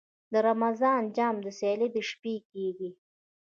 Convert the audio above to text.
د رمضان جام سیالۍ د شپې کیږي.